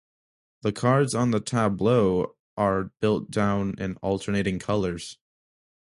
The cards on the tableau are built down in alternating colors.